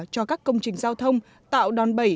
cho các công trình giao thông tạo đòn bẩy